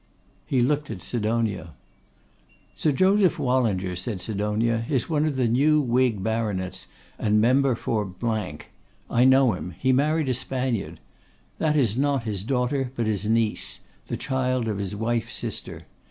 He looked at Sidonia. 'Sir Joseph Wallinger,' said Sidonia, 'one of the new Whig baronets, and member for . I know him. He married a Spaniard. That is not his daughter, but his niece; the child of his wife's sister.